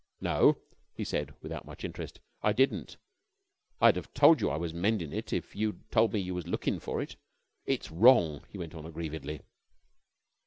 "No," he said without much interest, "I di'n't. I'd have told you I was mendin' it if you'd told me you was lookin' for it. It's wrong," he went on aggrievedly.